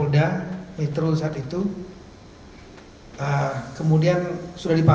di sisi gantanya